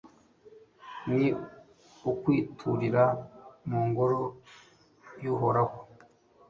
ni ukwiturira mu Ngoro y’Uhoraho